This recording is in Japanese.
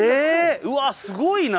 うわすごいな！